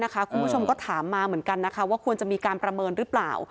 คุณผู้ชมก็ถามมาเหมือนกันนะคะว่าควรจะมีการประเมินหรือเปล่า